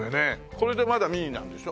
これでまだミニなんでしょ？